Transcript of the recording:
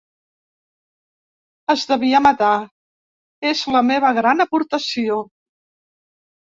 Es devia matar —és la meva gran aportació.